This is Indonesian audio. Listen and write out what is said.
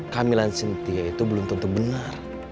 kehamilan sintia itu belum tentu benar